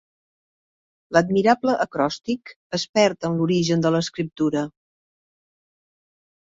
L'admirable acròstic- es perd en l'origen de l'escriptura.